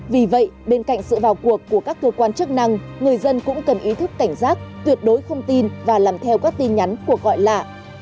vì vậy bên cạnh sự vào cuộc của các cơ quan chức năng người dân cũng cần ý thức cảnh giác tuyệt đối không tin và làm theo các tin nhắn của gọi lạ